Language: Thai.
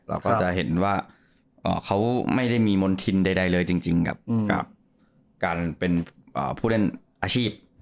เราก็จะเห็นว่าเขาไม่ได้มีมณฑินใดเลยจริงกับการเป็นผู้เล่นอาชีพ